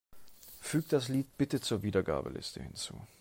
Füg das Lied bitte zur Wiedergabeliste hinzu.